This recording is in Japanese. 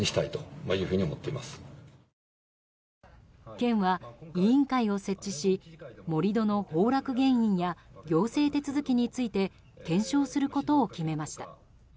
県は委員会を設置し盛り土の崩落原因や行政手続きについて検証することを決めました。